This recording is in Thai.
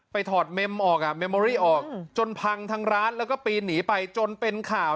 ไปถอดเมมออกจนพังทั้งร้านแล้วก็ปีนหนีไปจนเป็นข่าว